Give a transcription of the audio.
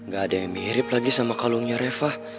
gak ada yang mirip lagi sama kalungnya reva